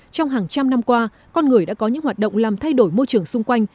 trong hàng trăm năm qua con người đã có những hoạt động làm thay đổi môi trường xung quanh